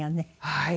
はい。